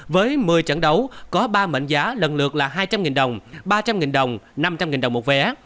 với một mươi trận đấu có ba mệnh giá lần lượt là hai trăm linh đồng ba trăm linh đồng năm trăm linh đồng một vé